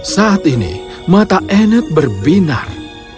saat ini mata anet berbinar